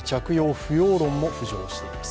不要論も浮上しています。